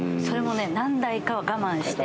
それもね何代かは我慢して。